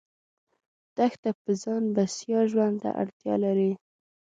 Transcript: دښته په ځان بسیا ژوند ته اړتیا لري.